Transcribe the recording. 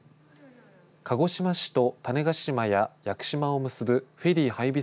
鹿児島市と種子島や屋久島を結ぶフェリーはいび